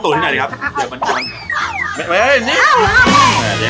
ตรงนี้เส้นกลางจะมีร่องเส้นกลางของกลาง